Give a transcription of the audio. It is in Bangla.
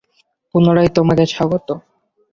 পুনরায় তোমাকে স্বাগত।